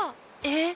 えっ？